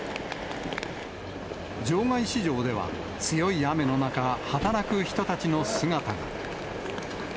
場外市場では、強い雨の中、働く人たちの姿が。